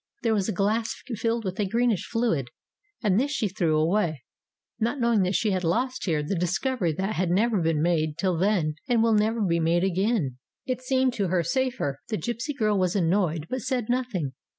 There was a glass filled with a greenish fluid, and this she threw away, not knowing that she had lost here the discovery that had never been made till then and will never be made again. It seemed to her safer. The gipsy girl was annoyed, but said nothing.